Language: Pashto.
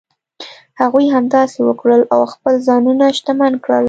هغوی همداسې وکړل او خپل ځانونه شتمن کړل.